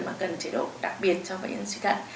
mà cần chế độ đặc biệt cho bệnh nhân suy thận